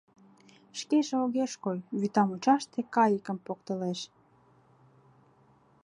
Шкеже огеш кой, вӱта мучаште кайыкым поктылеш.